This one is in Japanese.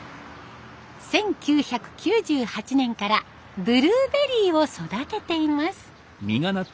１９９８年からブルーベリーを育てています。